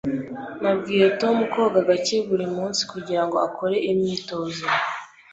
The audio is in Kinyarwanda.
Nabwiye Tom koga gake buri munsi kugirango akore imyitozo.